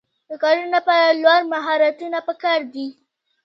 د کارونو لپاره لوړ مهارتونه پکار دي.